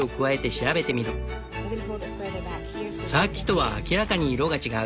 さっきとは明らかに色が違う。